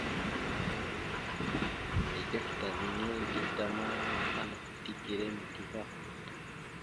Mige afta minire dik da ma, anaf dik ire milite ava.